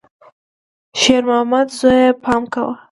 شېرمامده زویه، پام کوه!